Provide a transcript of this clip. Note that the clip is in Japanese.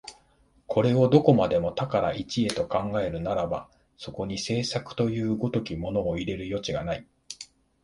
これをどこまでも多から一へと考えるならば、そこに製作という如きものを入れる余地がない。